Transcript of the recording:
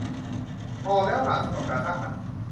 พอแล้วล่ะสำหรับการสร้างมัน